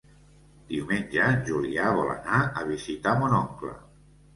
Diumenge en Julià vol anar a visitar mon oncle.